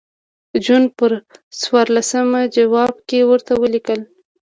جون پر څوارلسمه جواب کې ورته ولیکل.